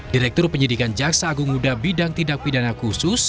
direktur penyidikan jaksa agung muda bidang tindak pidana khusus